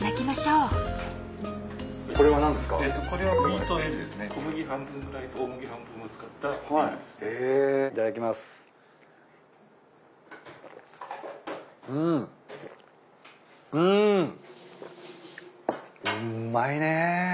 うまいね。